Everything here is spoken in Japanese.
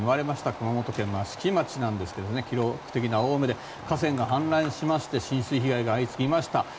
熊本県益城町なんですが記録的な大雨で河川が氾濫しまして浸水被害が相次ぎました。